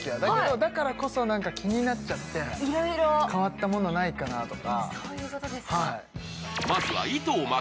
だからこそ気になっちゃって変わったものないかなとか。